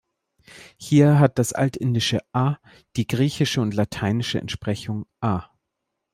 Hier hat das altindische "a" die griechische und lateinische Entsprechung "a".